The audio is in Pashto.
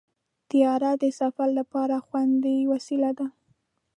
طیاره د سفر لپاره خوندي وسیله ده.